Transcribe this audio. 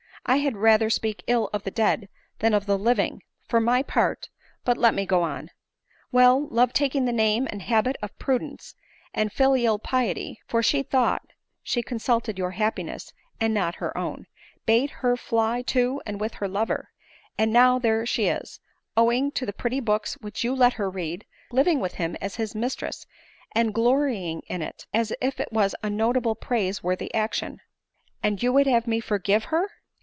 I had rather speak ill of the dead than of the living, for my part ; but let me go on. Well, love taking the name and habit of prudence and filial piety, (for she thought she consulted your happiness, and not her own,) bade her fly to and with her lover ; and now there sfie is, owing to the pretty books which you let her read, living with him as his mis tress, and glorying in it, as if it was a notable praise worthy action." "/ind you would have me forgive her